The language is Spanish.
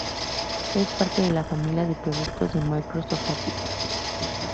Es parte de la familia de productos de Microsoft Office.